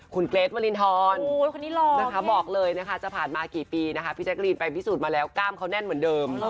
คุณเกรทวรินทรบอกเลยนะคะจะผ่านมากี่ปีนะคะพี่แจ๊กรีนไปพิสูจน์มาแล้วกล้ามเขาแน่นเหมือนเดิม